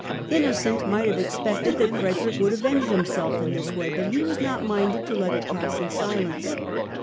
Innocent might have expected that Frederick would avenge himself in this way, but he was not minded to let it pass in silence.